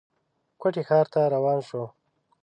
کوټې ښار ته روان شو.